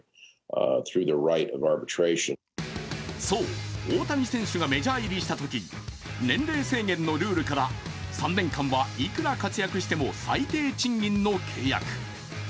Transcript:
そう、大谷選手がメジャー入りしたとき、年齢制限のルールから３年間はいくら活躍しても最低賃金の契約。